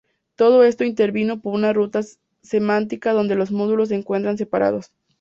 Todo esto intervenido por una ruta semántica donde los módulos se encuentran separados.